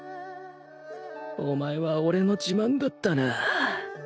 お前は俺の自慢だったなぁ